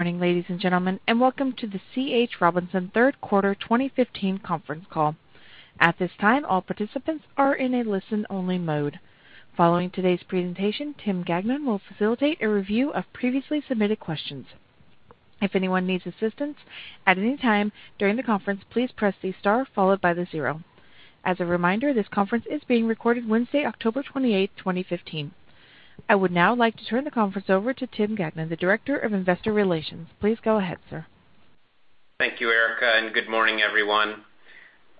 Good morning, ladies and gentlemen, and welcome to the C.H. Robinson third quarter 2015 conference call. At this time, all participants are in a listen-only mode. Following today's presentation, Tim Gagnon will facilitate a review of previously submitted questions. If anyone needs assistance at any time during the conference, please press the star followed by the zero. As a reminder, this conference is being recorded Wednesday, October 28, 2015. I would now like to turn the conference over to Tim Gagnon, the Director of Investor Relations. Please go ahead, sir. Thank you, Erica, and good morning, everyone.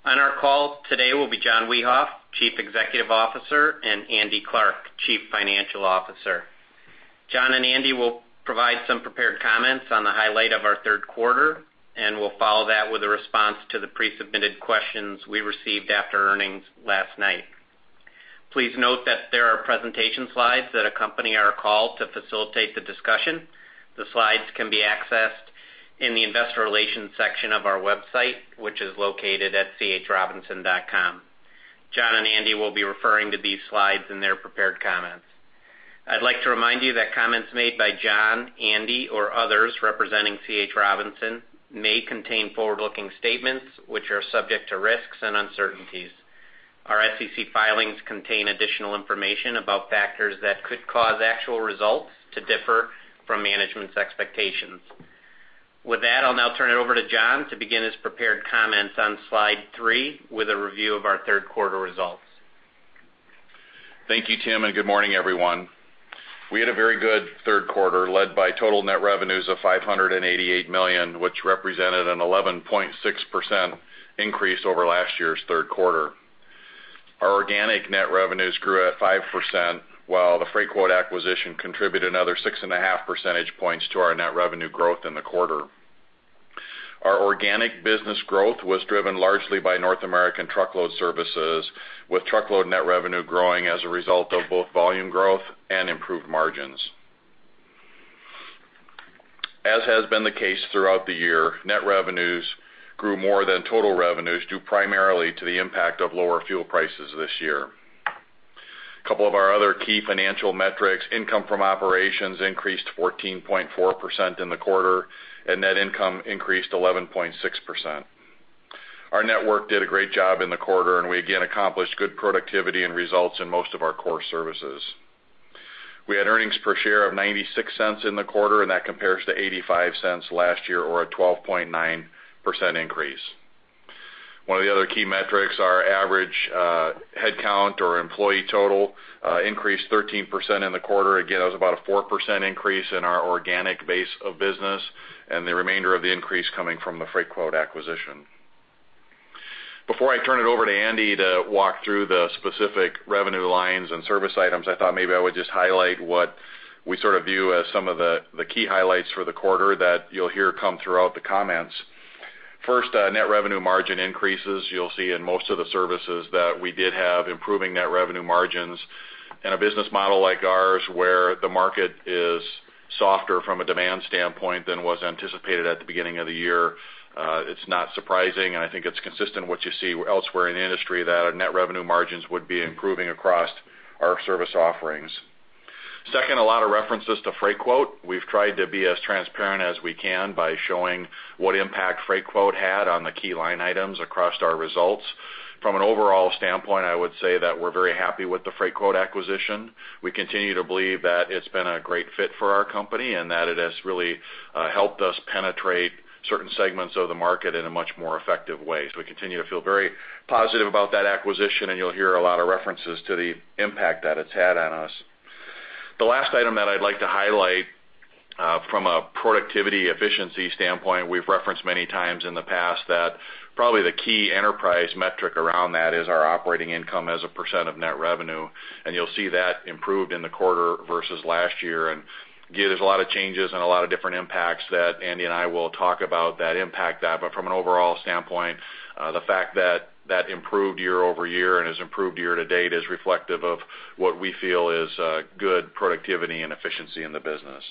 On our call today will be John Wiehoff, Chief Executive Officer, and Andy Clarke, Chief Financial Officer. John and Andy will provide some prepared comments on the highlight of our third quarter, and we will follow that with a response to the pre-submitted questions we received after earnings last night. Please note that there are presentation slides that accompany our call to facilitate the discussion. The slides can be accessed in the investor relations section of our website, which is located at chrobinson.com. John and Andy will be referring to these slides in their prepared comments. I would like to remind you that comments made by John, Andy, or others representing C.H. Robinson may contain forward-looking statements which are subject to risks and uncertainties. Our SEC filings contain additional information about factors that could cause actual results to differ from management's expectations. With that, I will now turn it over to John to begin his prepared comments on Slide three with a review of our third quarter results. Thank you, Tim, and good morning, everyone. We had a very good third quarter led by total net revenues of $588 million, which represented an 11.6% increase over last year's third quarter. Our organic net revenues grew at 5%, while the Freightquote.com acquisition contributed another six and a half percentage points to our net revenue growth in the quarter. Our organic business growth was driven largely by North American truckload services, with truckload net revenue growing as a result of both volume growth and improved margins. As has been the case throughout the year, net revenues grew more than total revenues, due primarily to the impact of lower fuel prices this year. A couple of our other key financial metrics, income from operations increased 14.4% in the quarter and net income increased 11.6%. Our network did a great job in the quarter. We again accomplished good productivity and results in most of our core services. We had earnings per share of $0.96 in the quarter, and that compares to $0.85 last year, or a 12.9% increase. One of the other key metrics, our average headcount or employee total increased 13% in the quarter. Again, that was about a 4% increase in our organic base of business and the remainder of the increase coming from the Freightquote.com acquisition. Before I turn it over to Andy to walk through the specific revenue lines and service items, I thought maybe I would just highlight what we sort of view as some of the key highlights for the quarter that you'll hear come throughout the comments. First, net revenue margin increases. You'll see in most of the services that we did have improving net revenue margins. In a business model like ours, where the market is softer from a demand standpoint than was anticipated at the beginning of the year, it's not surprising. I think it's consistent what you see elsewhere in the industry that our net revenue margins would be improving across our service offerings. Second, a lot of references to Freightquote.com. We've tried to be as transparent as we can by showing what impact Freightquote.com had on the key line items across our results. From an overall standpoint, I would say that we're very happy with the Freightquote.com acquisition. We continue to believe that it's been a great fit for our company and that it has really helped us penetrate certain segments of the market in a much more effective way. We continue to feel very positive about that acquisition. You'll hear a lot of references to the impact that it's had on us. The last item that I'd like to highlight from a productivity efficiency standpoint, we've referenced many times in the past that probably the key enterprise metric around that is our operating income as a percent of net revenue. You'll see that improved in the quarter versus last year. Again, there's a lot of changes and a lot of different impacts that Andy and I will talk about that impact that. From an overall standpoint, the fact that that improved year-over-year and has improved year-to-date is reflective of what we feel is good productivity and efficiency in the business.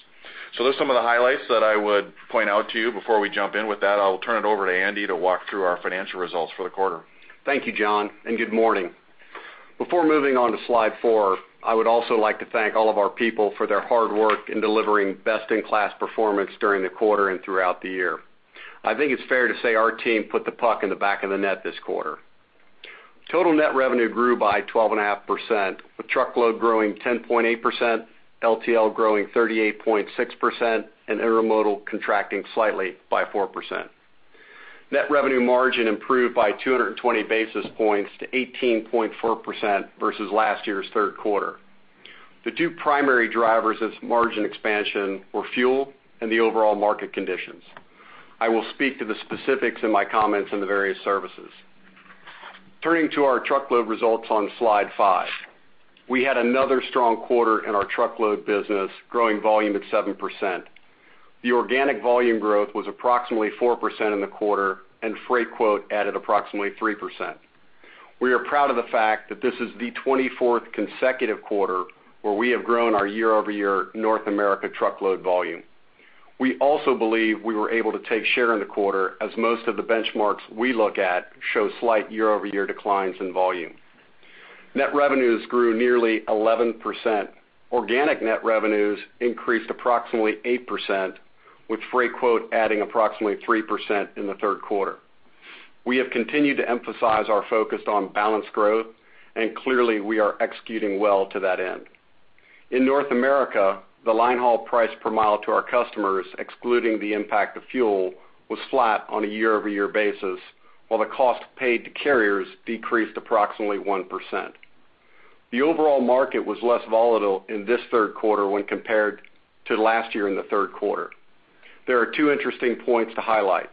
Those are some of the highlights that I would point out to you before we jump in. With that, I'll turn it over to Andy to walk through our financial results for the quarter. Thank you, John, and good morning. Before moving on to Slide Four, I would also like to thank all of our people for their hard work in delivering best-in-class performance during the quarter and throughout the year. I think it's fair to say our team put the puck in the back of the net this quarter. Total net revenue grew by 11.6%, with truckload growing 10.8%, LTL growing 38.6%, and intermodal contracting slightly by 4%. Net revenue margin improved by 220 basis points to 18.4% versus last year's third quarter. The two primary drivers of margin expansion were fuel and the overall market conditions. I will speak to the specifics in my comments on the various services. Turning to our truckload results on Slide Five. We had another strong quarter in our truckload business, growing volume at 7%. The organic volume growth was approximately 4% in the quarter, and Freightquote added approximately 3%. We are proud of the fact that this is the 24th consecutive quarter where we have grown our year-over-year North America truckload volume. We also believe we were able to take share in the quarter as most of the benchmarks we look at show slight year-over-year declines in volume. Net revenues grew nearly 11%. Organic net revenues increased approximately 8%, with Freightquote adding approximately 3% in the third quarter. We have continued to emphasize our focus on balanced growth, and clearly, we are executing well to that end. In North America, the line haul price per mile to our customers, excluding the impact of fuel, was flat on a year-over-year basis, while the cost paid to carriers decreased approximately 1%. The overall market was less volatile in this third quarter when compared to last year in the third quarter. There are two interesting points to highlight.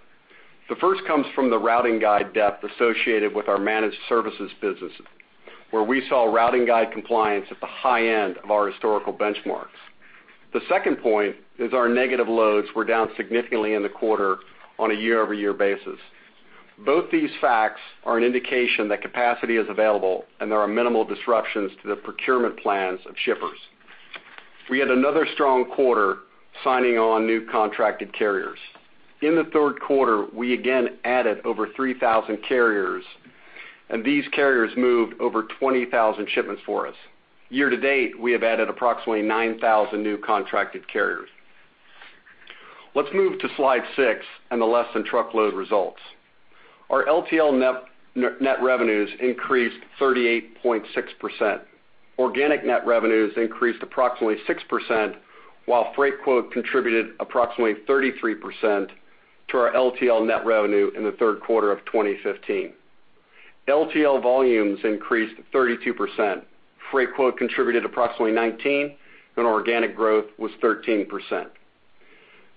The first comes from the routing guide depth associated with our managed services businesses, where we saw routing guide compliance at the high end of our historical benchmarks. The second point is our negative loads were down significantly in the quarter on a year-over-year basis. Both these facts are an indication that capacity is available, and there are minimal disruptions to the procurement plans of shippers. We had another strong quarter signing on new contracted carriers. In the third quarter, we again added over 3,000 carriers, and these carriers moved over 20,000 shipments for us. Year-to-date, we have added approximately 9,000 new contracted carriers. Let's move to Slide 6 and the less-than-truckload results. Our LTL net revenues increased 38.6%. Organic net revenues increased approximately 6%, while Freightquote contributed approximately 33% to our LTL net revenue in the third quarter of 2015. LTL volumes increased 32%. Freightquote contributed approximately 19%, and organic growth was 13%.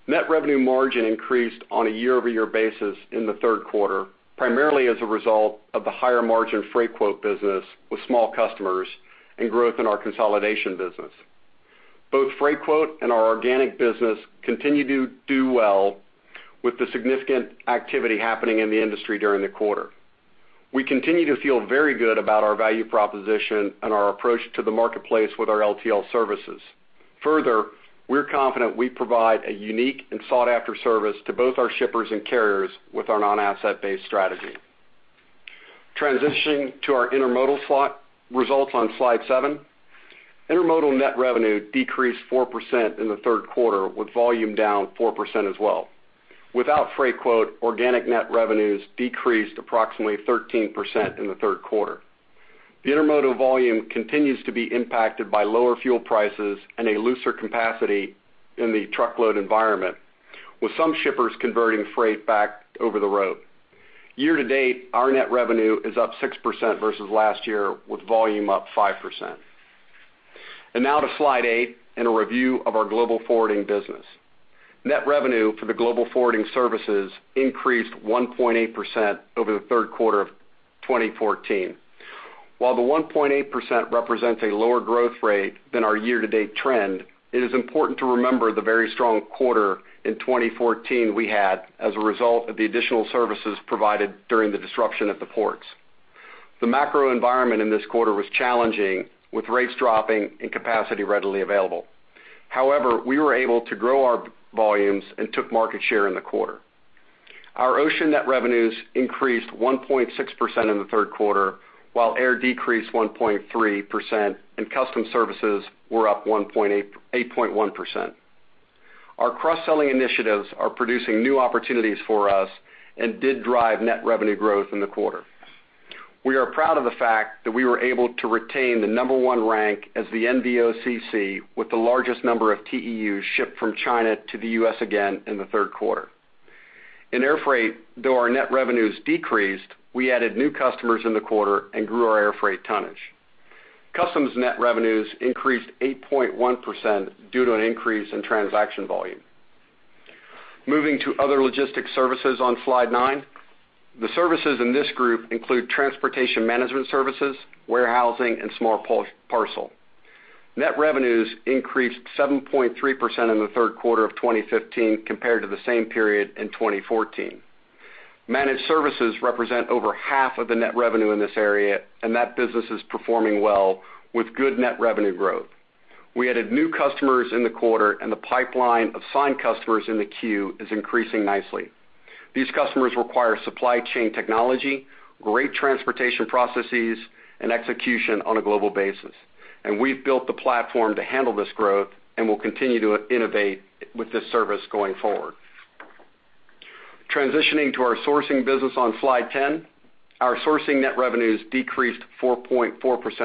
Net revenue margin increased on a year-over-year basis in the third quarter, primarily as a result of the higher-margin Freightquote business with small customers and growth in our consolidation business. Both Freightquote and our organic business continue to do well with the significant activity happening in the industry during the quarter. We continue to feel very good about our value proposition and our approach to the marketplace with our LTL services. Further, we're confident we provide a unique and sought-after service to both our shippers and carriers with our non-asset-based strategy. Transitioning to our intermodal results on Slide 7. Intermodal net revenue decreased 4% in the third quarter, with volume down 4% as well. Without Freightquote, organic net revenues decreased approximately 13% in the third quarter. The intermodal volume continues to be impacted by lower fuel prices and a looser capacity in the truckload environment, with some shippers converting freight back over the road. Year-to-date, our net revenue is up 6% versus last year, with volume up 5%. Now to Slide 8 and a review of our global forwarding business. Net revenue for the global forwarding services increased 1.8% over the third quarter of 2014. While the 1.8% represents a lower growth rate than our year-to-date trend, it is important to remember the very strong quarter in 2014 we had as a result of the additional services provided during the disruption at the ports. The macro environment in this quarter was challenging, with rates dropping and capacity readily available. We were able to grow our volumes and took market share in the quarter. Our ocean net revenues increased 1.6% in the third quarter, while air decreased 1.3% and customs services were up 8.1%. Our cross-selling initiatives are producing new opportunities for us and did drive net revenue growth in the quarter. We are proud of the fact that we were able to retain the number one rank as the NVOCC with the largest number of TEUs shipped from China to the U.S. again in the third quarter. In air freight, though our net revenues decreased, we added new customers in the quarter and grew our air freight tonnage. Customs net revenues increased 8.1% due to an increase in transaction volume. Moving to other logistics services on Slide 9. The services in this group include transportation management services, warehousing, and small parcel. Net revenues increased 7.3% in the third quarter of 2015 compared to the same period in 2014. Managed services represent over half of the net revenue in this area, that business is performing well with good net revenue growth. We added new customers in the quarter, the pipeline of signed customers in the queue is increasing nicely. These customers require supply chain technology, great transportation processes, execution on a global basis, we've built the platform to handle this growth and will continue to innovate with this service going forward. Transitioning to our sourcing business on Slide 10. Our sourcing net revenues decreased 4.4%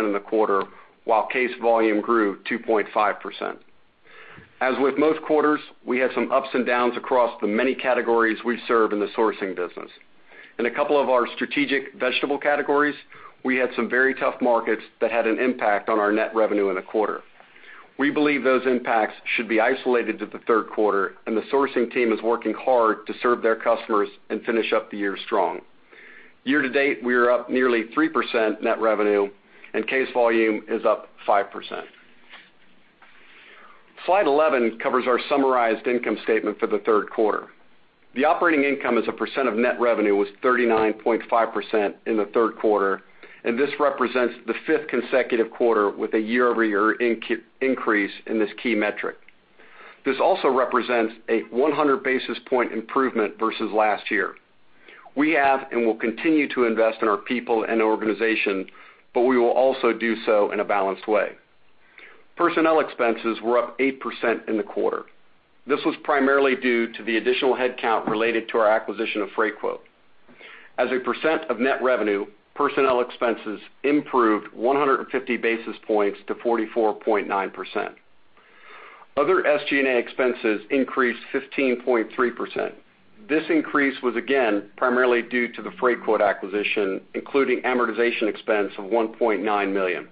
in the quarter, while case volume grew 2.5%. With most quarters, we had some ups and downs across the many categories we serve in the sourcing business. In a couple of our strategic vegetable categories, we had some very tough markets that had an impact on our net revenue in the quarter. We believe those impacts should be isolated to the third quarter, the sourcing team is working hard to serve their customers and finish up the year strong. Year-to-date, we are up nearly 3% net revenue, case volume is up 5%. Slide 11 covers our summarized income statement for the third quarter. The operating income as a percent of net revenue was 39.5% in the third quarter, this represents the fifth consecutive quarter with a year-over-year increase in this key metric. This also represents a 100 basis point improvement versus last year. We have and will continue to invest in our people and organization, we will also do so in a balanced way. Personnel expenses were up 8% in the quarter. This was primarily due to the additional headcount related to our acquisition of Freightquote. As a percent of net revenue, personnel expenses improved 150 basis points to 44.9%. Other SG&A expenses increased 15.3%. This increase was again, primarily due to the Freightquote acquisition, including amortization expense of $1.9 million.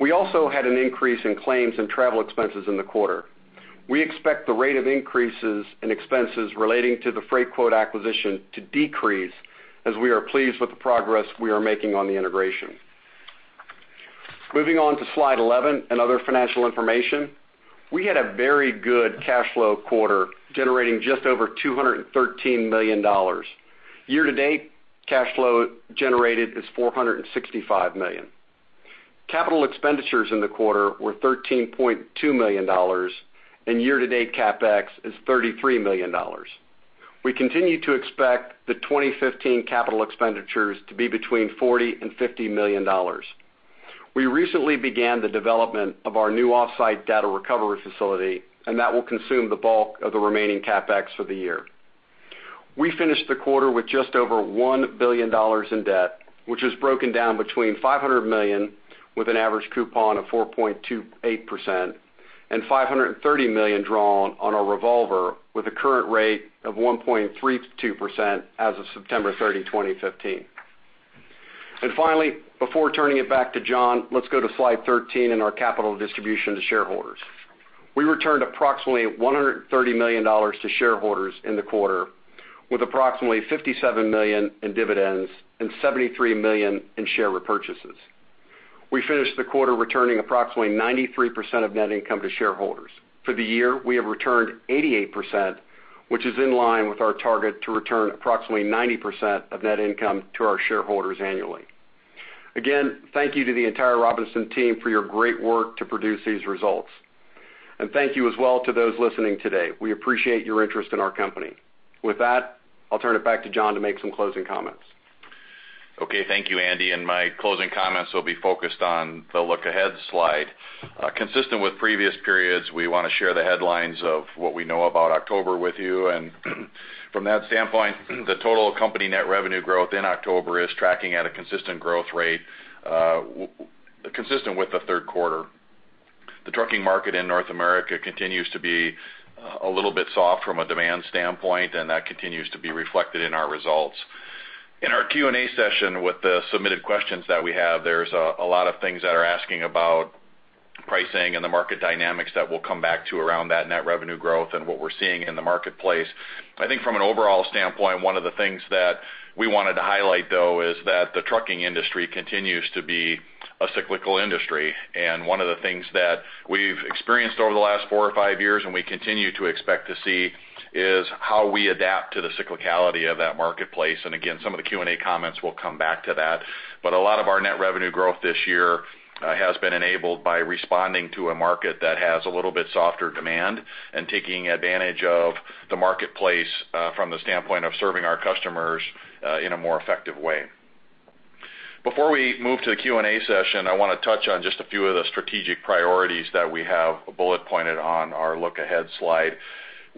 We also had an increase in claims and travel expenses in the quarter. We expect the rate of increases in expenses relating to the Freightquote acquisition to decrease, as we are pleased with the progress we are making on the integration. Moving on to slide 11 and other financial information. We had a very good cash flow quarter, generating just over $213 million. Year-to-date cash flow generated is $465 million. Capital expenditures in the quarter were $13.2 million, and year-to-date CapEx is $33 million. We continue to expect the 2015 capital expenditures to be between $40 million and $50 million. We recently began the development of our new off-site data recovery facility, and that will consume the bulk of the remaining CapEx for the year. We finished the quarter with just over $1 billion in debt, which is broken down between $500 million with an average coupon of 4.28% and $530 million drawn on our revolver with a current rate of 1.32% as of September 30, 2015. Finally, before turning it back to John, let's go to slide 13 and our capital distribution to shareholders. We returned approximately $130 million to shareholders in the quarter, with approximately $57 million in dividends and $73 million in share repurchases. We finished the quarter returning approximately 93% of net income to shareholders. For the year, we have returned 88%, which is in line with our target to return approximately 90% of net income to our shareholders annually. Again, thank you to the entire Robinson team for your great work to produce these results. Thank you as well to those listening today. We appreciate your interest in our company. With that, I'll turn it back to John to make some closing comments. Okay. Thank you, Andy, and my closing comments will be focused on the look ahead slide. Consistent with previous periods, we want to share the headlines of what we know about October with you, and from that standpoint, the total company net revenue growth in October is tracking at a consistent growth rate, consistent with the third quarter. The trucking market in North America continues to be a little bit soft from a demand standpoint, and that continues to be reflected in our results. In our Q&A session with the submitted questions that we have, there's a lot of things that are asking about pricing and the market dynamics that we'll come back to around that net revenue growth and what we're seeing in the marketplace. I think from an overall standpoint, one of the things that we wanted to highlight, though, is that the trucking industry continues to be a cyclical industry. One of the things that we've experienced over the last four or five years, and we continue to expect to see is how we adapt to the cyclicality of that marketplace. Again, some of the Q&A comments will come back to that. A lot of our net revenue growth this year has been enabled by responding to a market that has a little bit softer demand and taking advantage of the marketplace from the standpoint of serving our customers in a more effective way. Before we move to the Q&A session, I want to touch on just a few of the strategic priorities that we have bullet pointed on our look ahead slide.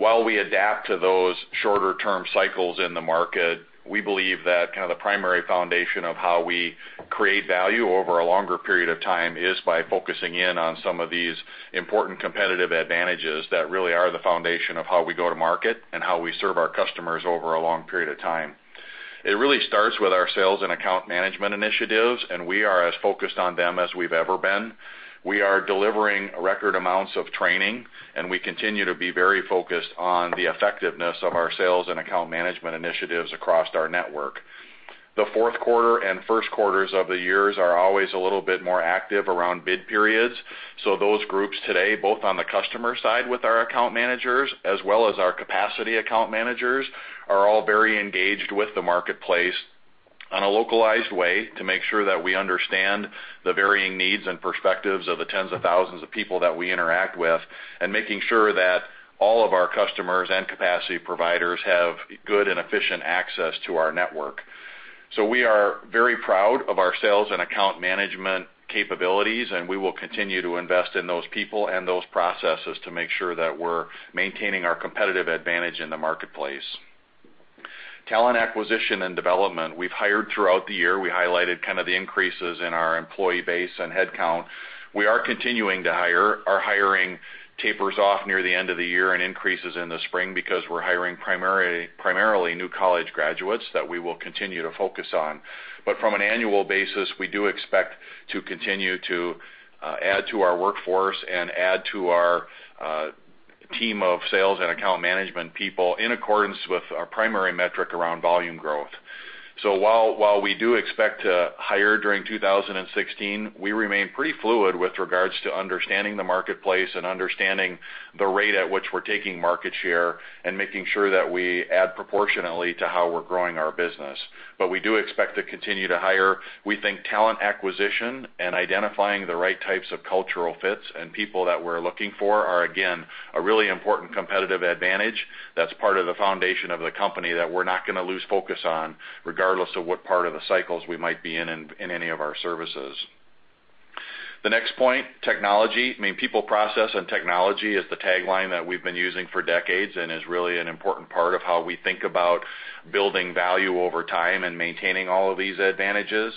While we adapt to those shorter-term cycles in the market, we believe that kind of the primary foundation of how we create value over a longer period of time is by focusing in on some of these important competitive advantages that really are the foundation of how we go to market and how we serve our customers over a long period of time. It really starts with our sales and account management initiatives, and we are as focused on them as we've ever been. We are delivering record amounts of training, and we continue to be very focused on the effectiveness of our sales and account management initiatives across our network. The fourth quarter and first quarters of the years are always a little bit more active around bid periods. Those groups today, both on the customer side with our account managers, as well as our capacity account managers, are all very engaged with the marketplace on a localized way to make sure that we understand the varying needs and perspectives of the tens of thousands of people that we interact with and making sure that all of our customers and capacity providers have good and efficient access to our network. We are very proud of our sales and account management capabilities, and we will continue to invest in those people and those processes to make sure that we're maintaining our competitive advantage in the marketplace. Talent acquisition and development. We've hired throughout the year. We highlighted kind of the increases in our employee base and headcount. We are continuing to hire. Our hiring tapers off near the end of the year and increases in the spring because we're hiring primarily new college graduates that we will continue to focus on. From an annual basis, we do expect to continue to add to our workforce and add to our team of sales and account management people in accordance with our primary metric around volume growth. While we do expect to hire during 2016, we remain pretty fluid with regards to understanding the marketplace and understanding the rate at which we're taking market share, and making sure that we add proportionately to how we're growing our business. We do expect to continue to hire. We think talent acquisition and identifying the right types of cultural fits and people that we're looking for are, again, a really important competitive advantage that's part of the foundation of the company that we're not going to lose focus on, regardless of what part of the cycles we might be in any of our services. The next point, technology. People, process, and technology is the tagline that we've been using for decades and is really an important part of how we think about building value over time and maintaining all of these advantages.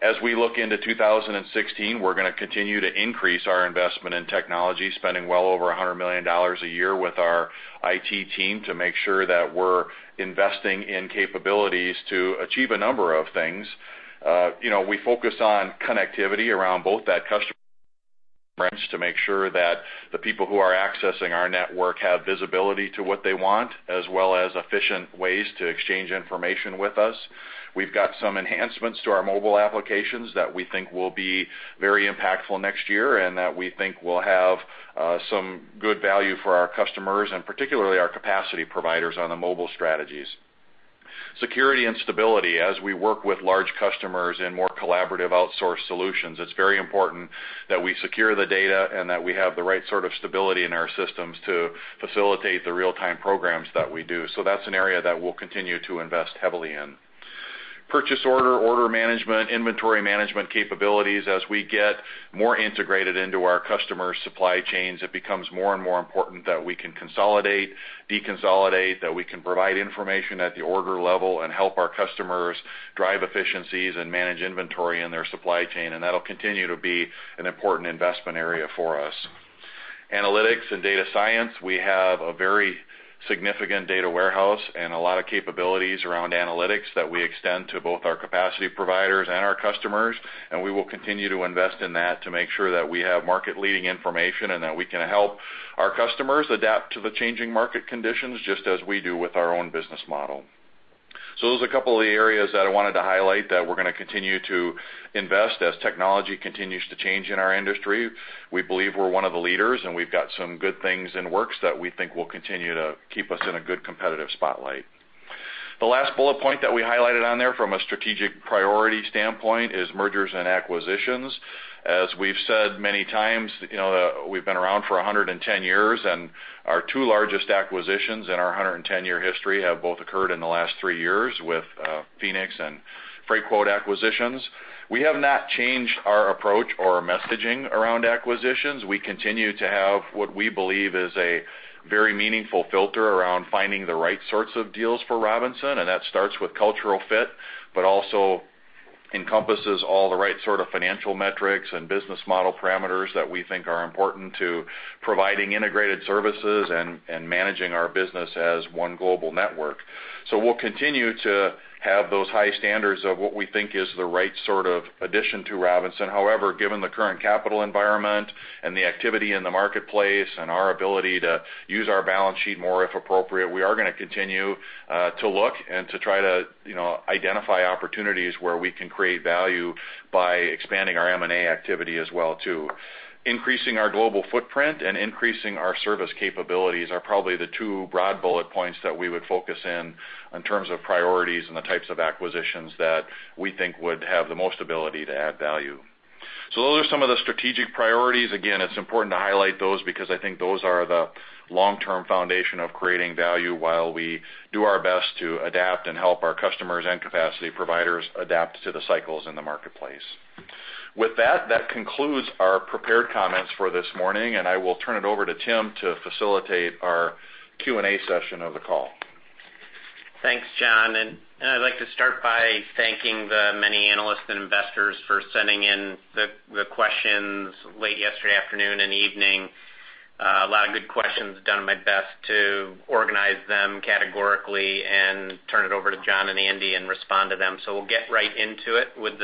As we look into 2016, we're going to continue to increase our investment in technology, spending well over $100 million a year with our IT team to make sure that we're investing in capabilities to achieve a number of things. We focus on connectivity around both that customer to make sure that the people who are accessing our network have visibility to what they want, as well as efficient ways to exchange information with us. We've got some enhancements to our mobile applications that we think will be very impactful next year and that we think will have some good value for our customers and particularly our capacity providers on the mobile strategies. Security and stability. As we work with large customers in more collaborative outsourced solutions, it's very important that we secure the data and that we have the right sort of stability in our systems to facilitate the real-time programs that we do. That's an area that we'll continue to invest heavily in. Purchase order management, inventory management capabilities. As we get more integrated into our customers' supply chains, it becomes more and more important that we can consolidate, deconsolidate, that we can provide information at the order level, and help our customers drive efficiencies and manage inventory in their supply chain, and that'll continue to be an important investment area for us. Analytics and data science. We have a very significant data warehouse and a lot of capabilities around analytics that we extend to both our capacity providers and our customers, and we will continue to invest in that to make sure that we have market-leading information and that we can help our customers adapt to the changing market conditions, just as we do with our own business model. Those are a couple of the areas that I wanted to highlight that we're going to continue to invest as technology continues to change in our industry. We believe we're one of the leaders, and we've got some good things in the works that we think will continue to keep us in a good competitive spotlight. The last bullet point that we highlighted on there from a strategic priority standpoint is mergers and acquisitions. As we've said many times, we've been around for 110 years, and our two largest acquisitions in our 110-year history have both occurred in the last three years with Phoenix and Freightquote acquisitions. We have not changed our approach or our messaging around acquisitions. We continue to have what we believe is a very meaningful filter around finding the right sorts of deals for Robinson, and that starts with cultural fit, but also encompasses all the right sort of financial metrics and business model parameters that we think are important to providing integrated services and managing our business as one global network. We'll continue to have those high standards of what we think is the right sort of addition to Robinson. However, given the current capital environment and the activity in the marketplace and our ability to use our balance sheet more, if appropriate, we are going to continue to look and to try to identify opportunities where we can create value by expanding our M&A activity as well, too. Increasing our global footprint and increasing our service capabilities are probably the two broad bullet points that we would focus in on terms of priorities and the types of acquisitions that we think would have the most ability to add value. Those are some of the strategic priorities. It's important to highlight those because I think those are the long-term foundation of creating value while we do our best to adapt and help our customers and capacity providers adapt to the cycles in the marketplace. With that concludes our prepared comments for this morning, and I will turn it over to Tim to facilitate our Q&A session of the call. Thanks, John. I'd like to start by thanking the many analysts and investors for sending in the questions late yesterday afternoon and evening. A lot of good questions. Done my best to organize them categorically and turn it over to John and Andy and respond to them. We'll get right into it with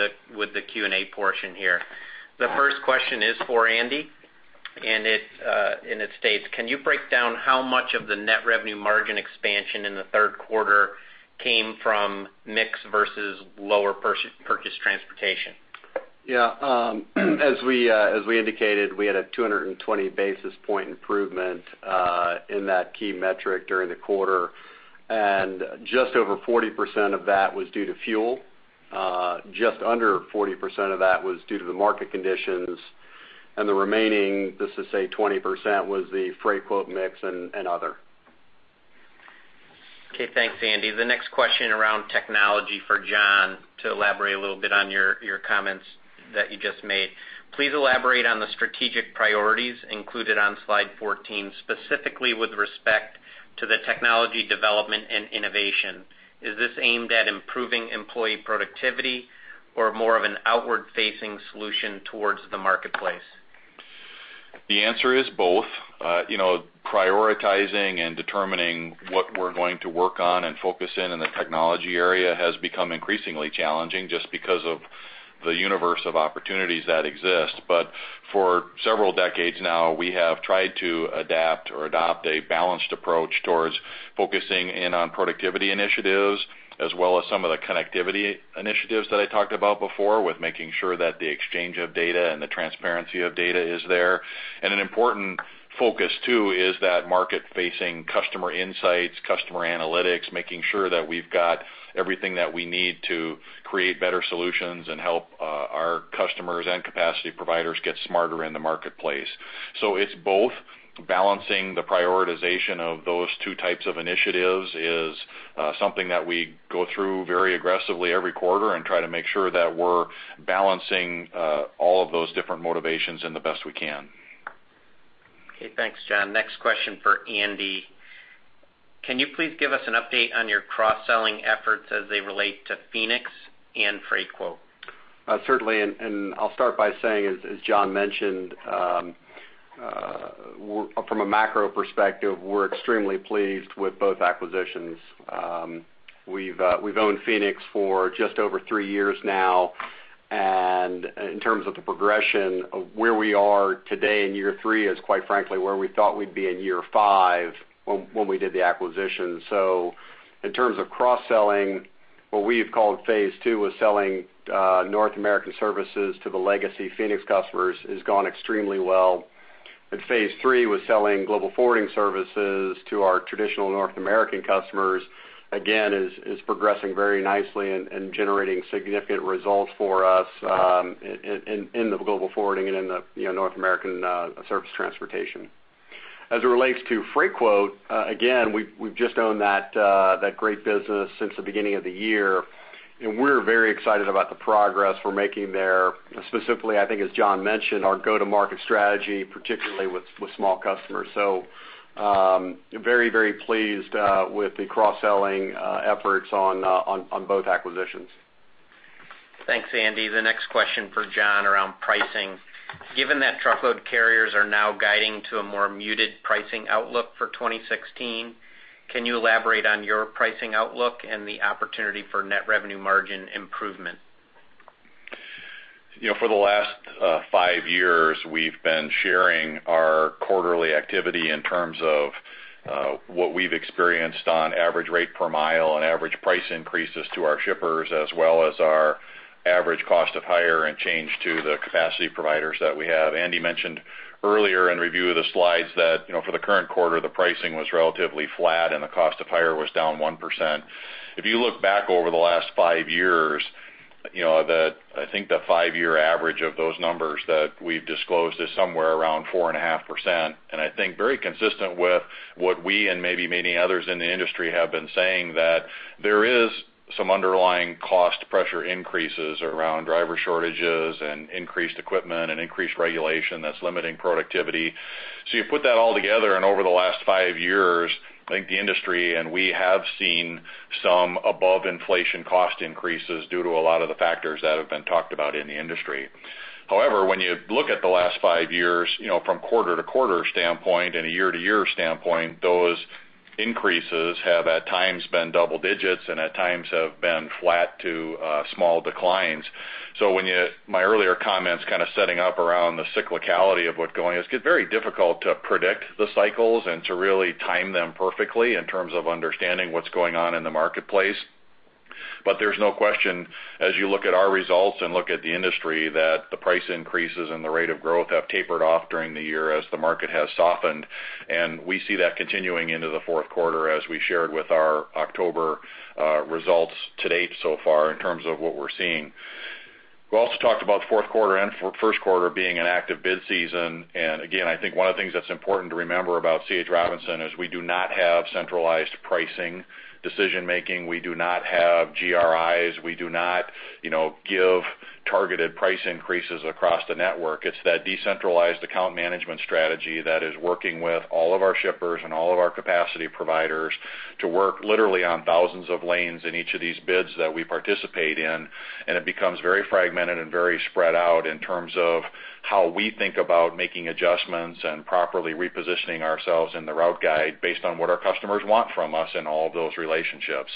the Q&A portion here. The first question is for Andy, and it states: Can you break down how much of the net revenue margin expansion in the third quarter came from mix versus lower purchase transportation? As we indicated, we had a 220 basis points improvement in that key metric during the quarter, and just over 40% of that was due to fuel. Just under 40% of that was due to the market conditions, and the remaining, just to say 20%, was the Freightquote.com mix and other. Okay, thanks, Andy. The next question around technology for John to elaborate a little bit on your comments that you just made. Please elaborate on the strategic priorities included on slide 14, specifically with respect to the technology development and innovation. Is this aimed at improving employee productivity or more of an outward-facing solution towards the marketplace? The answer is both. Prioritizing and determining what we're going to work on and focus in on the technology area has become increasingly challenging just because of the universe of opportunities that exist. For several decades now, we have tried to adapt or adopt a balanced approach towards focusing in on productivity initiatives, as well as some of the connectivity initiatives that I talked about before, with making sure that the exchange of data and the transparency of data is there. An important focus too is that market-facing customer insights, customer analytics, making sure that we've got everything that we need to create better solutions and help our customers and capacity providers get smarter in the marketplace. It's both balancing the prioritization of those 2 types of initiatives is something that we go through very aggressively every quarter and try to make sure that we're balancing all of those different motivations in the best we can. Okay. Thanks, John. Next question for Andy. Can you please give us an update on your cross-selling efforts as they relate to Phoenix and Freightquote? Certainly. I'll start by saying, as John mentioned, from a macro perspective, we're extremely pleased with both acquisitions. We've owned Phoenix for just over 3 years now, and in terms of the progression of where we are today in year 3 is, quite frankly, where we thought we'd be in year 5 when we did the acquisition. In terms of cross-selling, what we've called phase 2 was selling North American services to the legacy Phoenix customers has gone extremely well. Phase 3 was selling global forwarding services to our traditional North American customers, again, is progressing very nicely and generating significant results for us in the global forwarding and in the North American service transportation. As it relates to Freightquote, again, we've just owned that great business since the beginning of the year, and we're very excited about the progress we're making there. Specifically, I think as John mentioned, our go-to-market strategy, particularly with small customers. Very, very pleased with the cross-selling efforts on both acquisitions. Thanks, Andy. The next question for John around pricing. Given that truckload carriers are now guiding to a more muted pricing outlook for 2016, can you elaborate on your pricing outlook and the opportunity for net revenue margin improvement? For the last 5 years, we've been sharing our quarterly activity in terms of what we've experienced on average rate per mile and average price increases to our shippers, as well as our average cost of hire and change to the capacity providers that we have. Andy mentioned earlier in review of the slides that for the current quarter, the pricing was relatively flat and the cost of hire was down 1%. If you look back over the last 5 years, I think the 5-year average of those numbers that we've disclosed is somewhere around 4.5%. I think very consistent with what we and maybe many others in the industry have been saying that there is some underlying cost pressure increases around driver shortages and increased equipment and increased regulation that's limiting productivity. You put that all together, over the last five years, I think the industry and we have seen some above inflation cost increases due to a lot of the factors that have been talked about in the industry. However, when you look at the last five years, from quarter-to-quarter standpoint and a year-to-year standpoint, those increases have at times been double-digits and at times have been flat to small declines. My earlier comments kind of setting up around the cyclicality of what's going on, it's very difficult to predict the cycles and to really time them perfectly in terms of understanding what's going on in the marketplace. There's no question, as you look at our results and look at the industry, that the price increases and the rate of growth have tapered off during the year as the market has softened. We see that continuing into the fourth quarter as we shared with our October results to date so far in terms of what we're seeing. We also talked about fourth quarter and first quarter being an active bid season. Again, I think one of the things that's important to remember about C.H. Robinson is we do not have centralized pricing decision making. We do not have GRIs. We do not give targeted price increases across the network. It's that decentralized account management strategy that is working with all of our shippers and all of our capacity providers to work literally on thousands of lanes in each of these bids that we participate in, it becomes very fragmented and very spread out in terms of how we think about making adjustments and properly repositioning ourselves in the route guide based on what our customers want from us in all of those relationships.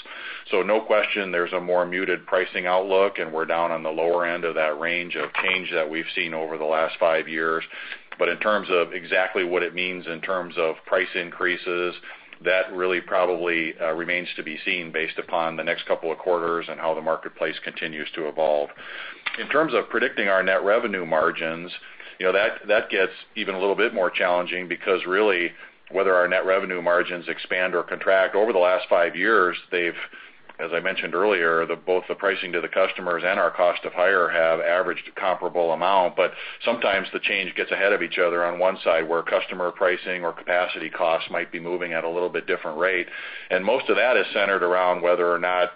No question, there's a more muted pricing outlook, and we're down on the lower end of that range of change that we've seen over the last five years. In terms of exactly what it means in terms of price increases, that really probably remains to be seen based upon the next two quarters and how the marketplace continues to evolve. In terms of predicting our net revenue margins, that gets even a little bit more challenging because really, whether our net revenue margins expand or contract over the last five years, they've, as I mentioned earlier, both the pricing to the customers and our cost of hire have averaged a comparable amount. Sometimes the change gets ahead of each other on one side where customer pricing or capacity costs might be moving at a little bit different rate. Most of that is centered around whether or not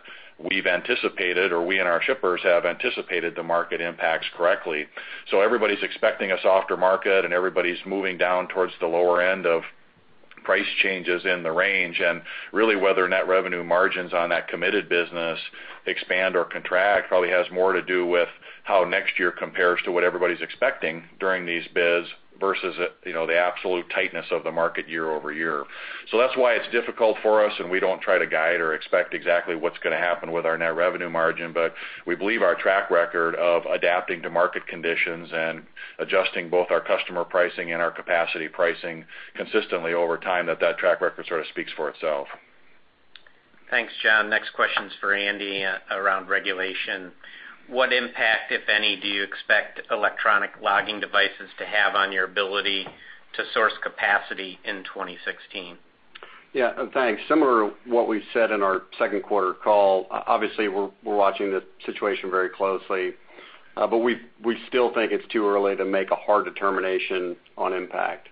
we've anticipated, or we and our shippers have anticipated the market impacts correctly. Everybody's expecting a softer market, everybody's moving down towards the lower end of price changes in the range, really whether net revenue margins on that committed business expand or contract probably has more to do with how next year compares to what everybody's expecting during these bids versus the absolute tightness of the market year-over-year. That's why it's difficult for us, and we don't try to guide or expect exactly what's going to happen with our net revenue margin. We believe our track record of adapting to market conditions and adjusting both our customer pricing and our capacity pricing consistently over time, that track record sort of speaks for itself. Thanks, John. Next question is for Andy around regulation. What impact, if any, do you expect electronic logging devices to have on your ability to source capacity in 2016? Yeah, thanks. Similar to what we've said in our second quarter call, obviously we're watching the situation very closely, we still think it's too early to make a hard determination on impact.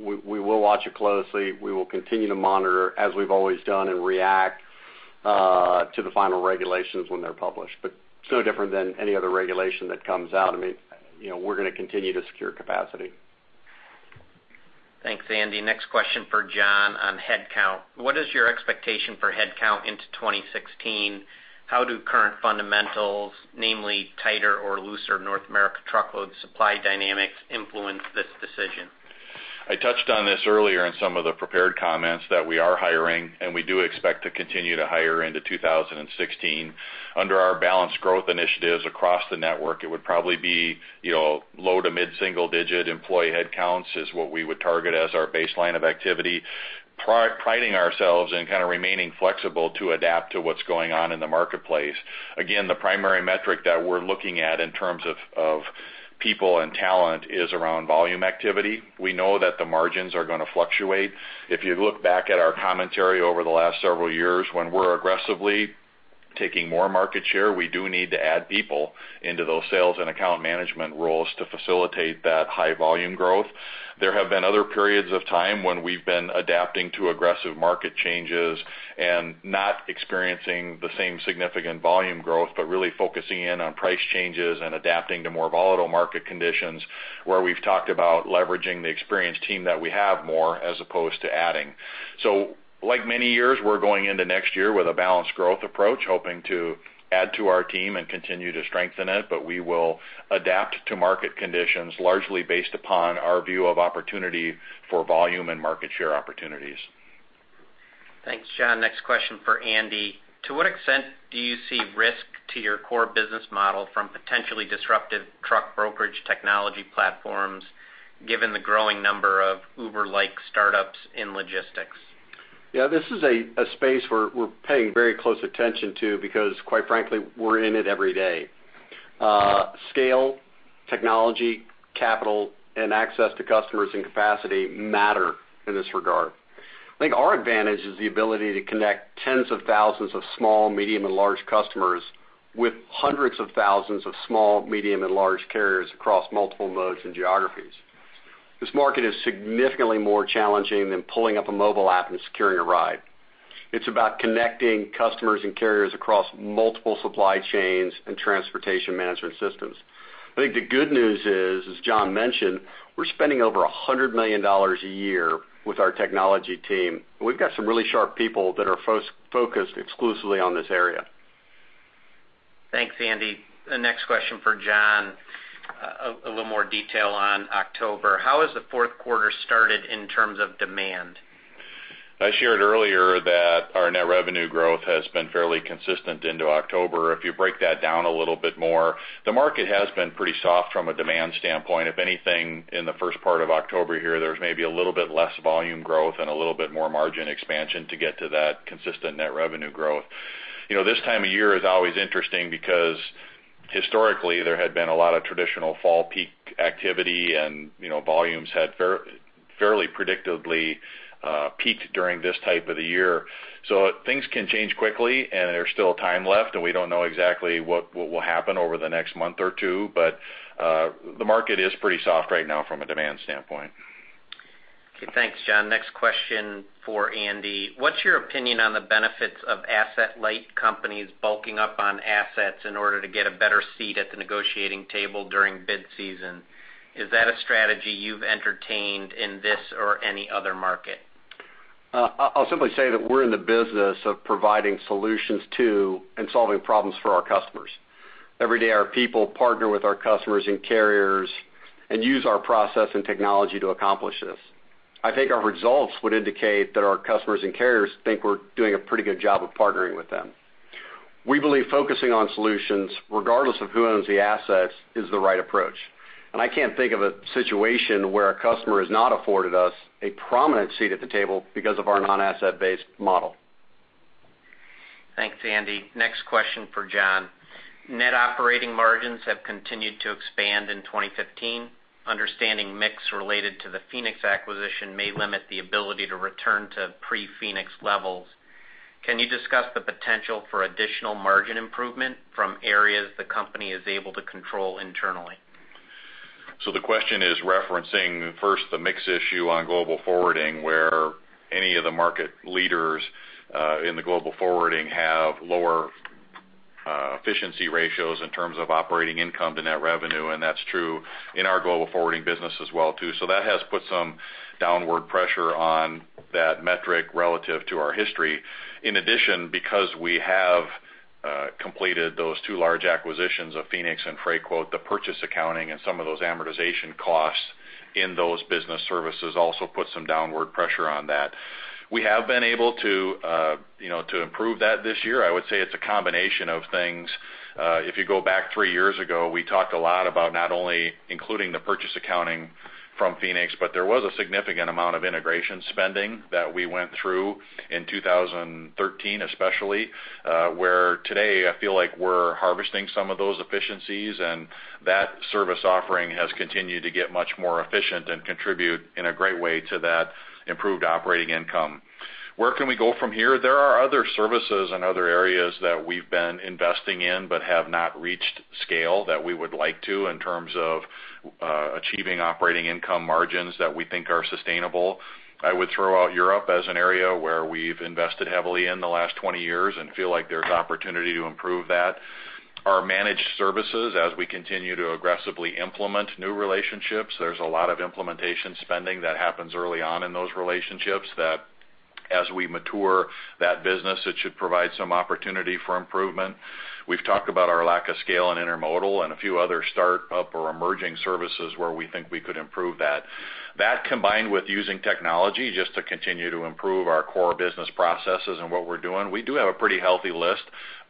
We will watch it closely. We will continue to monitor, as we've always done, and react to the final regulations when they're published. It's no different than any other regulation that comes out. We're going to continue to secure capacity. Thanks, Andy. Next question for John on headcount. What is your expectation for headcount into 2016? How do current fundamentals, namely tighter or looser North American truckload supply dynamics, influence this decision? I touched on this earlier in some of the prepared comments that we are hiring. We do expect to continue to hire into 2016. Under our balanced growth initiatives across the network, it would probably be low to mid-single-digit employee headcounts is what we would target as our baseline of activity. Priding ourselves and kind of remaining flexible to adapt to what's going on in the marketplace. The primary metric that we're looking at in terms of people and talent is around volume activity. We know that the margins are going to fluctuate. If you look back at our commentary over the last several years, when we're aggressively taking more market share, we do need to add people into those sales and account management roles to facilitate that high volume growth. There have been other periods of time when we've been adapting to aggressive market changes and not experiencing the same significant volume growth, but really focusing in on price changes and adapting to more volatile market conditions where we've talked about leveraging the experienced team that we have more as opposed to adding. Like many years, we're going into next year with a balanced growth approach, hoping to add to our team and continue to strengthen it. We will adapt to market conditions largely based upon our view of opportunity for volume and market share opportunities. Thanks, John. Next question for Andy. To what extent do you see risk to your core business model from potentially disruptive truck brokerage technology platforms, given the growing number of Uber-like startups in logistics? This is a space we're paying very close attention to because quite frankly, we're in it every day. Scale, technology, capital, and access to customers and capacity matter in this regard. I think our advantage is the ability to connect tens of thousands of small, medium, and large customers with hundreds of thousands of small, medium, and large carriers across multiple modes and geographies. This market is significantly more challenging than pulling up a mobile app and securing a ride. It's about connecting customers and carriers across multiple supply chains and transportation management systems. I think the good news is, as John mentioned, we're spending over $100 million a year with our technology team. We've got some really sharp people that are focused exclusively on this area. Thanks, Andy. The next question for John. A little more detail on October. How has the fourth quarter started in terms of demand? I shared earlier that our net revenue growth has been fairly consistent into October. If you break that down a little bit more, the market has been pretty soft from a demand standpoint. If anything, in the first part of October here, there's maybe a little bit less volume growth and a little bit more margin expansion to get to that consistent net revenue growth. This time of year is always interesting because historically there had been a lot of traditional fall peak activity and volumes had fairly predictably peaked during this type of the year. Things can change quickly and there's still time left and we don't know exactly what will happen over the next month or two. The market is pretty soft right now from a demand standpoint. Okay. Thanks, John. Next question for Andy. What's your opinion on the benefits of asset-light companies bulking up on assets in order to get a better seat at the negotiating table during bid season? Is that a strategy you've entertained in this or any other market? I'll simply say that we're in the business of providing solutions to and solving problems for our customers. Every day, our people partner with our customers and carriers and use our process and technology to accomplish this. I think our results would indicate that our customers and carriers think we're doing a pretty good job of partnering with them. We believe focusing on solutions, regardless of who owns the assets, is the right approach. I can't think of a situation where a customer has not afforded us a prominent seat at the table because of our non-asset-based model. Thanks, Andy. Next question for John. Net operating margins have continued to expand in 2015. Understanding mix related to the Phoenix acquisition may limit the ability to return to pre-Phoenix levels. Can you discuss the potential for additional margin improvement from areas the company is able to control internally? The question is referencing first the mix issue on global forwarding, where any of the market leaders in the global forwarding have lower efficiency ratios in terms of operating income to net revenue, and that's true in our global forwarding business as well too. That has put some downward pressure on that metric relative to our history. In addition, because we have completed those two large acquisitions of Phoenix and Freightquote, the purchase accounting and some of those amortization costs in those business services also put some downward pressure on that. We have been able to improve that this year. I would say it's a combination of things. If you go back three years ago, we talked a lot about not only including the purchase accounting from Phoenix, but there was a significant amount of integration spending that we went through in 2013, especially, where today, I feel like we're harvesting some of those efficiencies, and that service offering has continued to get much more efficient and contribute in a great way to that improved operating income. Where can we go from here? There are other services and other areas that we've been investing in but have not reached scale that we would like to in terms of achieving operating income margins that we think are sustainable. I would throw out Europe as an area where we've invested heavily in the last 20 years and feel like there's opportunity to improve that. Our managed services, as we continue to aggressively implement new relationships, there's a lot of implementation spending that happens early on in those relationships that as we mature that business, it should provide some opportunity for improvement. We've talked about our lack of scale in intermodal and a few other startup or emerging services where we think we could improve that. That combined with using technology just to continue to improve our core business processes and what we're doing, we do have a pretty healthy list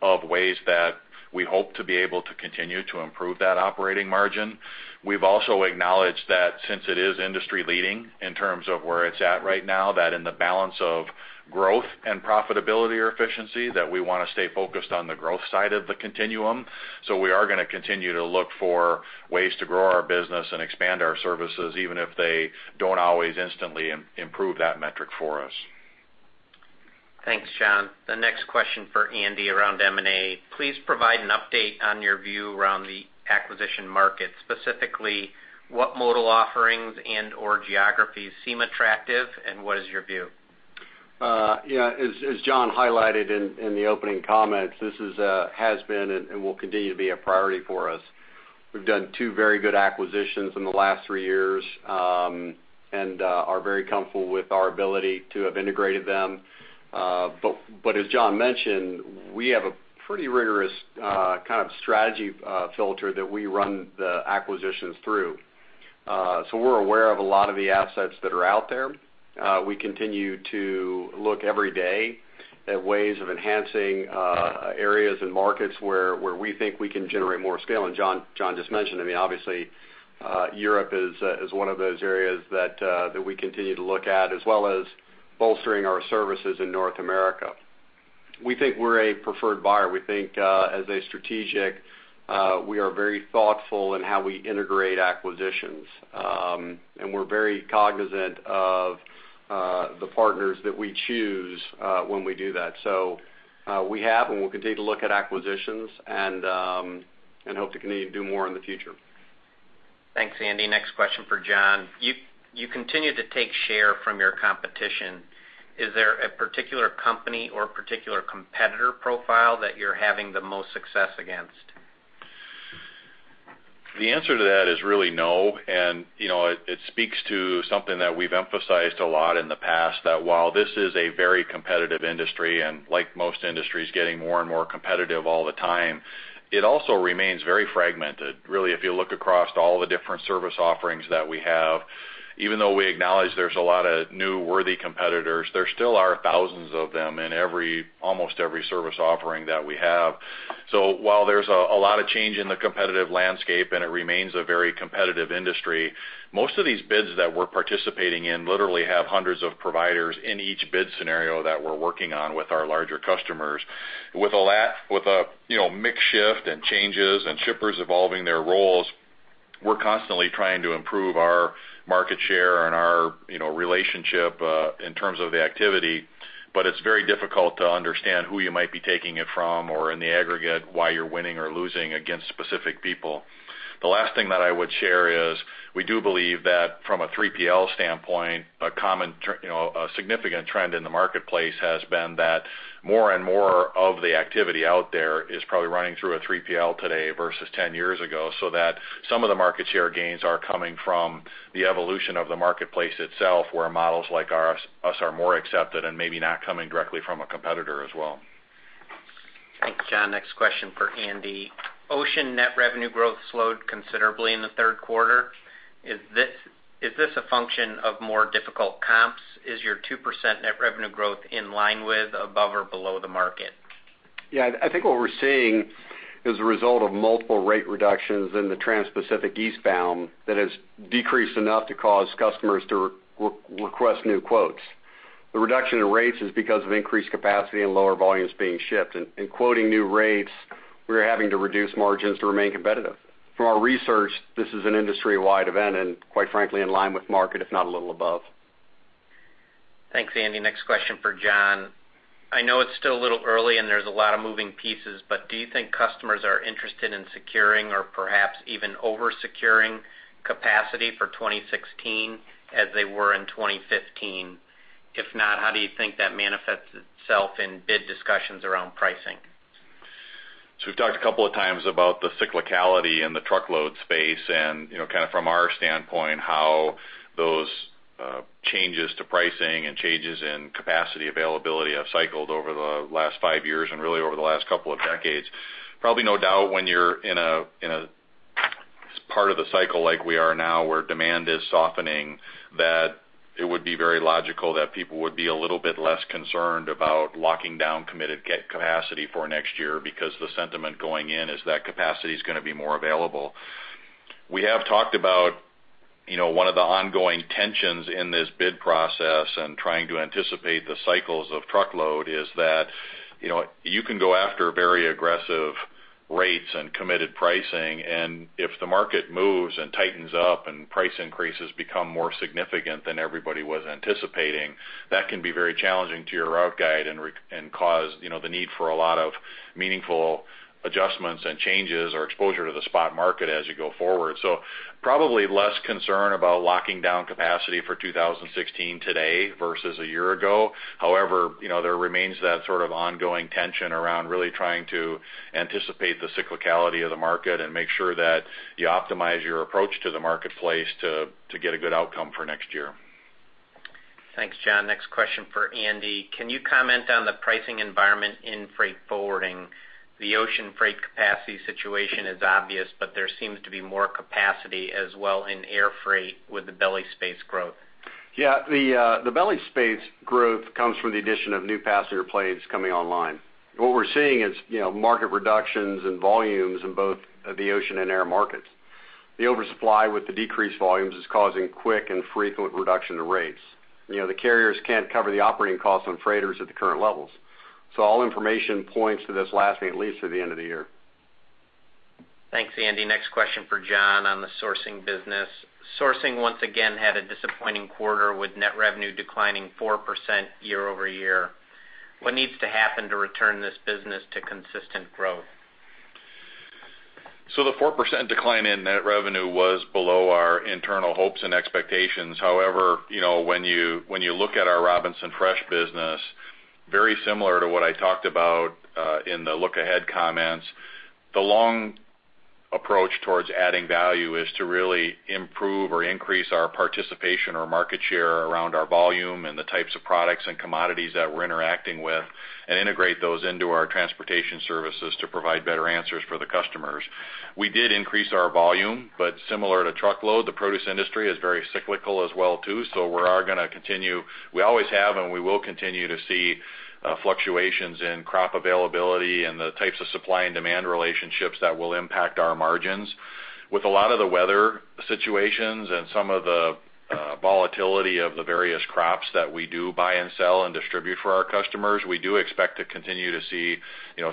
of ways that we hope to be able to continue to improve that operating margin. We've also acknowledged that since it is industry-leading in terms of where it's at right now, that in the balance of growth and profitability or efficiency, that we want to stay focused on the growth side of the continuum. We are going to continue to look for ways to grow our business and expand our services, even if they don't always instantly improve that metric for us. Thanks, John. The next question for Andy around M&A. Please provide an update on your view around the acquisition market, specifically what modal offerings and/or geographies seem attractive, and what is your view? As John highlighted in the opening comments, this has been and will continue to be a priority for us. We've done two very good acquisitions in the last three years, and are very comfortable with our ability to have integrated them. As John mentioned, we have a pretty rigorous kind of strategy filter that we run the acquisitions through. We're aware of a lot of the assets that are out there. We continue to look every day at ways of enhancing areas and markets where we think we can generate more scale. John just mentioned, obviously, Europe is one of those areas that we continue to look at, as well as bolstering our services in North America. We think we're a preferred buyer. We think, as a strategic, we are very thoughtful in how we integrate acquisitions. We're very cognizant of the partners that we choose when we do that. We have, and we'll continue to look at acquisitions, and hope to continue to do more in the future. Thanks, Andy. Next question for John. You continue to take share from your competition. Is there a particular company or particular competitor profile that you're having the most success against? The answer to that is really no, it speaks to something that we've emphasized a lot in the past, that while this is a very competitive industry, and like most industries, getting more and more competitive all the time, it also remains very fragmented. Really, if you look across all the different service offerings that we have, even though we acknowledge there's a lot of noteworthy competitors, there still are thousands of them in almost every service offering that we have. While there's a lot of change in the competitive landscape, and it remains a very competitive industry, most of these bids that we're participating in literally have hundreds of providers in each bid scenario that we're working on with our larger customers. With a mix shift and changes and shippers evolving their roles, we're constantly trying to improve our market share and our relationship in terms of the activity, it's very difficult to understand who you might be taking it from or in the aggregate, why you're winning or losing against specific people. The last thing that I would share is we do believe that from a 3PL standpoint, a significant trend in the marketplace has been that more and more of the activity out there is probably running through a 3PL today versus 10 years ago, that some of the market share gains are coming from the evolution of the marketplace itself, where models like us are more accepted and maybe not coming directly from a competitor as well. Thanks, John. Next question for Andy. Ocean net revenue growth slowed considerably in the third quarter. Is this a function of more difficult comps? Is your 2% net revenue growth in line with, above, or below the market? Yeah. I think what we're seeing is a result of multiple rate reductions in the transpacific eastbound that has decreased enough to cause customers to request new quotes. The reduction in rates is because of increased capacity and lower volumes being shipped. In quoting new rates, we are having to reduce margins to remain competitive. From our research, this is an industry-wide event and, quite frankly, in line with market, if not a little above. Thanks, Andy. Next question for John. I know it's still a little early and there's a lot of moving pieces. Do you think customers are interested in securing or perhaps even over-securing capacity for 2016 as they were in 2015? If not, how do you think that manifests itself in bid discussions around pricing? We've talked a couple of times about the cyclicality in the truckload space and kind of from our standpoint, how those changes to pricing and changes in capacity availability have cycled over the last five years and really over the last couple of decades. Probably no doubt when you're in a part of the cycle like we are now where demand is softening, that it would be very logical that people would be a little bit less concerned about locking down committed capacity for next year because the sentiment going in is that capacity is going to be more available. We have talked about one of the ongoing tensions in this bid process and trying to anticipate the cycles of truckload is that you can go after very aggressive rates and committed pricing, and if the market moves and tightens up and price increases become more significant than everybody was anticipating, that can be very challenging to your route guide and cause the need for a lot of meaningful adjustments and changes or exposure to the spot market as you go forward. Probably less concern about locking down capacity for 2016 today versus a year ago. However, there remains that sort of ongoing tension around really trying to anticipate the cyclicality of the market and make sure that you optimize your approach to the marketplace to get a good outcome for next year. Thanks, John. Next question for Andy. Can you comment on the pricing environment in freight forwarding? The ocean freight capacity situation is obvious, but there seems to be more capacity as well in air freight with the belly space growth. Yeah. The belly space growth comes from the addition of new passenger planes coming online. What we're seeing is market reductions in volumes in both the ocean and air markets. The oversupply with the decreased volumes is causing quick and frequent reduction in rates. The carriers can't cover the operating costs on freighters at the current levels. All information points to this lasting at least through the end of the year. Thanks, Andy. Next question for John on the sourcing business. Sourcing, once again, had a disappointing quarter with net revenue declining 4% year-over-year. What needs to happen to return this business to consistent growth? The 4% decline in net revenue was below our internal hopes and expectations. However, when you look at our Robinson Fresh business, very similar to what I talked about in the look-ahead comments, the long approach towards adding value is to really improve or increase our participation or market share around our volume and the types of products and commodities that we're interacting with and integrate those into our transportation services to provide better answers for the customers. We did increase our volume, but similar to truckload, the produce industry is very cyclical as well too. We always have and we will continue to see fluctuations in crop availability and the types of supply and demand relationships that will impact our margins. With a lot of the weather situations and some of the volatility of the various crops that we do buy and sell and distribute for our customers, we do expect to continue to see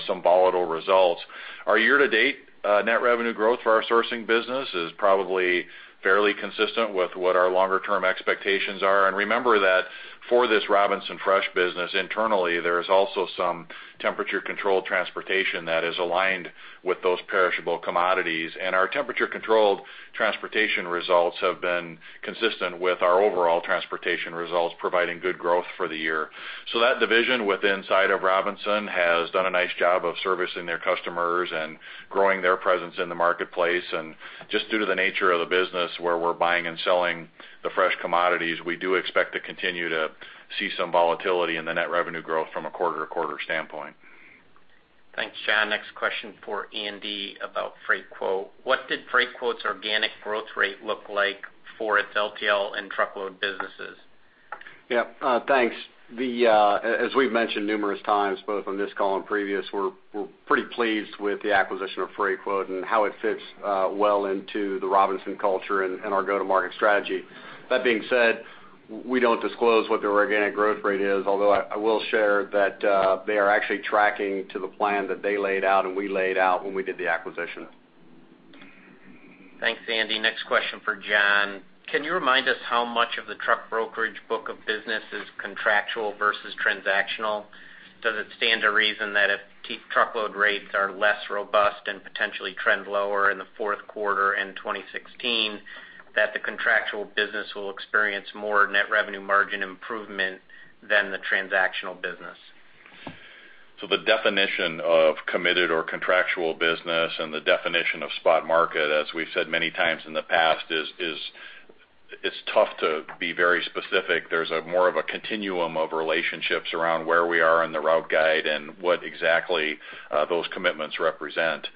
some volatile results. Our year-to-date net revenue growth for our sourcing business is probably fairly consistent with what our longer-term expectations are. Remember that for this Robinson Fresh business, internally, there is also some temperature-controlled transportation that is aligned with those perishable commodities. Our temperature-controlled transportation results have been consistent with our overall transportation results, providing good growth for the year. That division within inside of Robinson has done a nice job of servicing their customers and growing their presence in the marketplace. Just due to the nature of the business where we're buying and selling the fresh commodities, we do expect to continue to see some volatility in the net revenue growth from a quarter-to-quarter standpoint. Thanks, John. Next question for Andy about Freightquote.com. What did Freightquote.com's organic growth rate look like for its LTL and truckload businesses? Yeah. Thanks. As we've mentioned numerous times, both on this call and previous, we're pretty pleased with the acquisition of Freightquote.com and how it fits well into the Robinson culture and our go-to-market strategy. That being said, we don't disclose what their organic growth rate is, although I will share that they are actually tracking to the plan that they laid out and we laid out when we did the acquisition. Thanks, Andy. Next question for John. Can you remind us how much of the truck brokerage book of business is contractual versus transactional? Does it stand to reason that if truckload rates are less robust and potentially trend lower in the fourth quarter and 2016, that the contractual business will experience more net revenue margin improvement than the transactional business? The definition of committed or contractual business and the definition of spot market, as we've said many times in the past, is it's tough to be very specific. There's more of a continuum of relationships around where we are in the route guide and what exactly those commitments represent.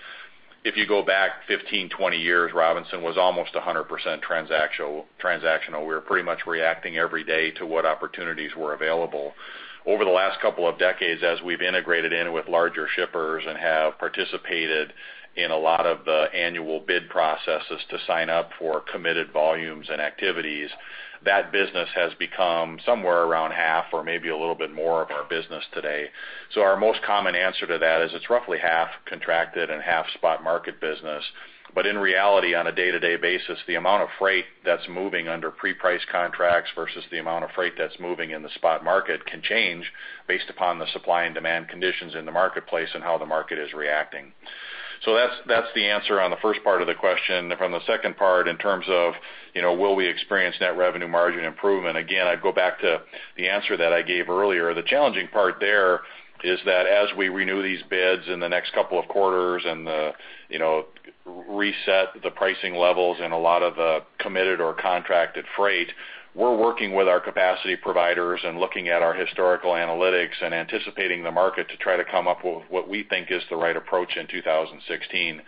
If you go back 15, 20 years, Robinson was almost 100% transactional. We were pretty much reacting every day to what opportunities were available. Over the last couple of decades, as we've integrated in with larger shippers and have participated in a lot of the annual bid processes to sign up for committed volumes and activities, that business has become somewhere around half or maybe a little bit more of our business today. Our most common answer to that is it's roughly half contracted and half spot market business. In reality, on a day-to-day basis, the amount of freight that's moving under pre-priced contracts versus the amount of freight that's moving in the spot market can change based upon the supply and demand conditions in the marketplace and how the market is reacting. That's the answer on the first part of the question. From the second part, in terms of will we experience net revenue margin improvement, again, I'd go back to the answer that I gave earlier. The challenging part there is that as we renew these bids in the next couple of quarters and reset the pricing levels in a lot of the committed or contracted freight, we're working with our capacity providers and looking at our historical analytics and anticipating the market to try to come up with what we think is the right approach in 2016.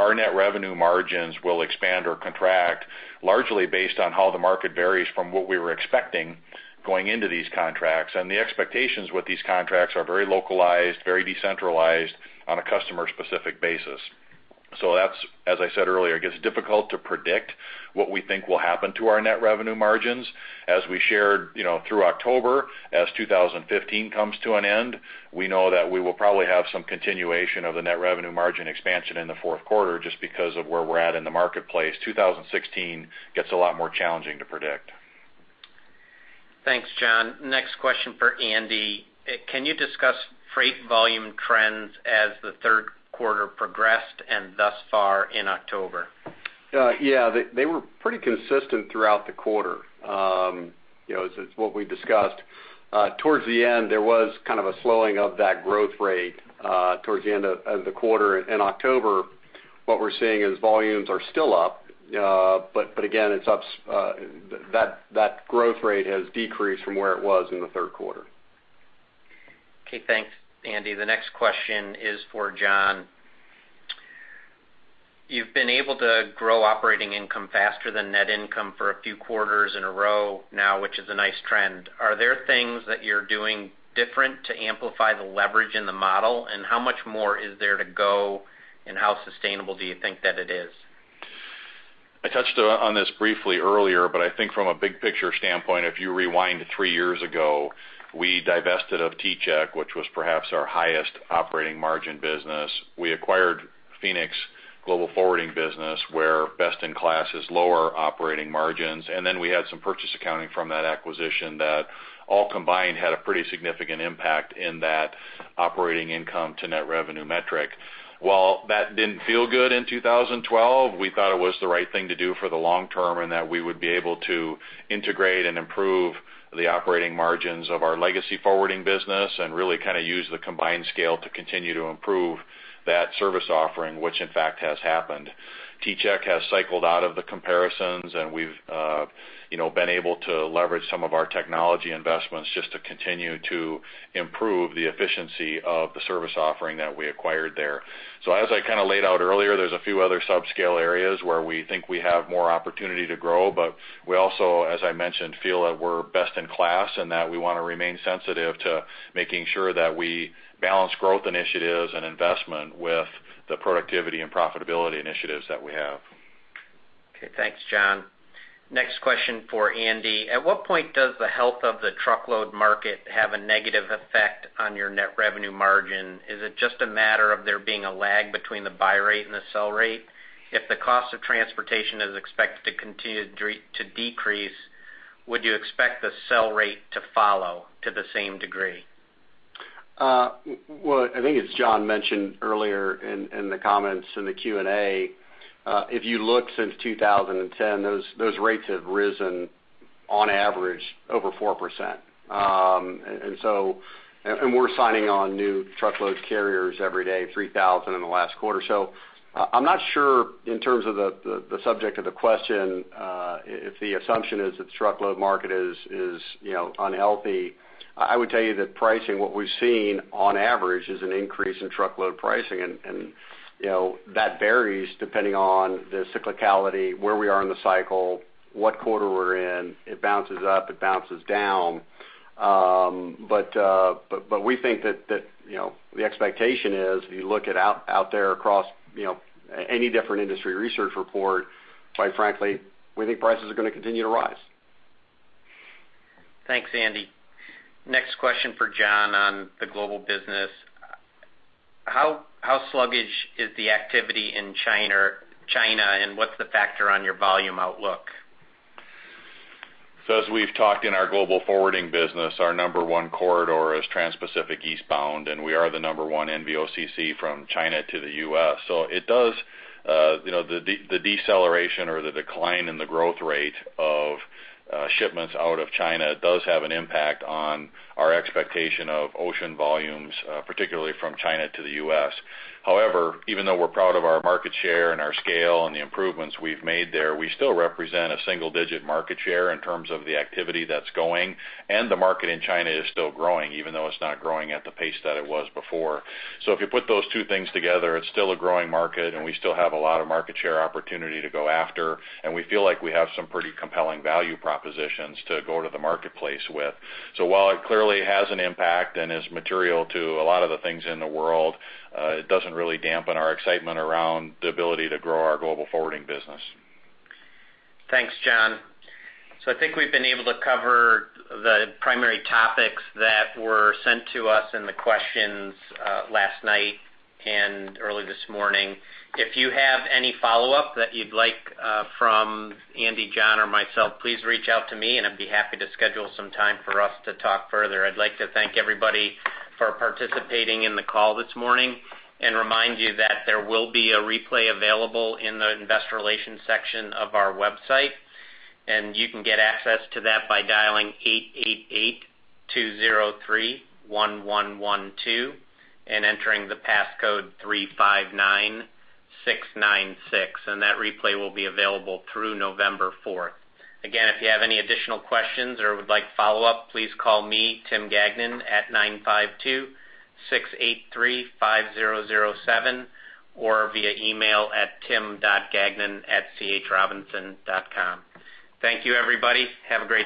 Our net revenue margins will expand or contract largely based on how the market varies from what we were expecting going into these contracts. The expectations with these contracts are very localized, very decentralized on a customer-specific basis. That's, as I said earlier, it gets difficult to predict what we think will happen to our net revenue margins. As we shared through October, as 2015 comes to an end, we know that we will probably have some continuation of the net revenue margin expansion in the fourth quarter just because of where we're at in the marketplace. 2016 gets a lot more challenging to predict. Thanks, John. Next question for Andy. Can you discuss freight volume trends as the Third Quarter progressed and thus far in October? Yeah. They were pretty consistent throughout the quarter. As what we discussed, towards the end, there was kind of a slowing of that growth rate towards the end of the quarter. In October, what we're seeing is volumes are still up. Again, that growth rate has decreased from where it was in the Third Quarter. Okay. Thanks, Andy. The next question is for John. You've been able to grow operating income faster than net income for a few quarters in a row now, which is a nice trend. Are there things that you're doing different to amplify the leverage in the model? How much more is there to go, and how sustainable do you think that it is? I touched on this briefly earlier. I think from a big picture standpoint, if you rewind to three years ago, we divested of T-Chek, which was perhaps our highest operating margin business. We acquired Phoenix International, where best in class is lower operating margins. Then we had some purchase accounting from that acquisition that all combined had a pretty significant impact in that operating income to net revenue metric. While that didn't feel good in 2012, we thought it was the right thing to do for the long term, that we would be able to integrate and improve the operating margins of our legacy forwarding business, really kind of use the combined scale to continue to improve that service offering, which in fact has happened. T-Chek has cycled out of the comparisons, we've been able to leverage some of our technology investments just to continue to improve the efficiency of the service offering that we acquired there. As I kind of laid out earlier, there's a few other subscale areas where we think we have more opportunity to grow. We also, as I mentioned, feel that we're best in class, and that we want to remain sensitive to making sure that we balance growth initiatives and investment with the productivity and profitability initiatives that we have. Okay. Thanks, John. Next question for Andy. At what point does the health of the truckload market have a negative effect on your net revenue margin? Is it just a matter of there being a lag between the buy rate and the sell rate? If the cost of transportation is expected to continue to decrease, would you expect the sell rate to follow to the same degree? Well, I think as John mentioned earlier in the comments in the Q&A, if you look since 2010, those rates have risen on average over 4%. We're signing on new truckload carriers every day, 3,000 in the last quarter. I'm not sure in terms of the subject of the question, if the assumption is the truckload market is unhealthy. I would tell you that pricing, what we've seen on average is an increase in truckload pricing. That varies depending on the cyclicality, where we are in the cycle, what quarter we're in. It bounces up, it bounces down. We think that the expectation is, if you look out there across any different industry research report, quite frankly, we think prices are going to continue to rise. Thanks, Andy. Next question for John on the global business. How sluggish is the activity in China, and what's the factor on your volume outlook? As we've talked in our global forwarding business, our number one corridor is Transpacific eastbound, and we are the number one NVOCC from China to the U.S. The deceleration or the decline in the growth rate of shipments out of China does have an impact on our expectation of ocean volumes, particularly from China to the U.S. However, even though we're proud of our market share and our scale and the improvements we've made there, we still represent a single-digit market share in terms of the activity that's going. The market in China is still growing, even though it's not growing at the pace that it was before. If you put those two things together, it's still a growing market, and we still have a lot of market share opportunity to go after. We feel like we have some pretty compelling value propositions to go to the marketplace with. While it clearly has an impact and is material to a lot of the things in the world, it doesn't really dampen our excitement around the ability to grow our global forwarding business. Thanks, John. I think we've been able to cover the primary topics that were sent to us in the questions last night and early this morning. If you have any follow-up that you'd like from Andy, John, or myself, please reach out to me, and I'd be happy to schedule some time for us to talk further. I'd like to thank everybody for participating in the call this morning, and remind you that there will be a replay available in the investor relations section of our website. You can get access to that by dialing 888-203-1112 and entering the passcode 359696. That replay will be available through November 4th. Again, if you have any additional questions or would like follow-up, please call me, Tim Gagnon, at 952-683-5007 or via email at tim.gagnon@chrobinson.com. Thank you, everybody. Have a great day.